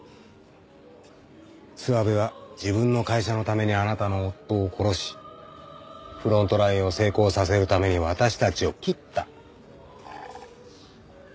諏訪部は自分の会社のためにあなたの夫を殺しフロントラインを成功させるために私たちを切った。